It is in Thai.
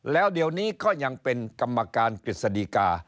แล้วเดี๋ยวนี้ก็ยังเป็นกรรมการกฤษฎีกา